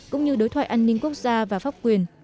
chính quốc gia và pháp quyền